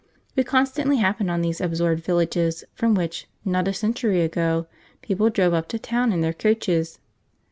We constantly happen on these absorbed villages, from which, not a century ago, people drove up to town in their coaches.